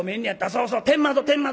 そうそう天窓天窓。